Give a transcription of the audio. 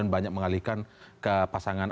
banyak mengalihkan ke pasangan